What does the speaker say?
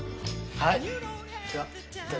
はい。